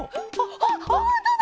あっほんとだ！